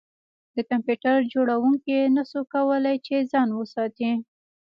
د کمپیوټر جوړونکي نشوای کولی چې ځان وساتي